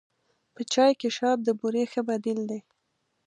په چای کې شات د بوري ښه بدیل دی.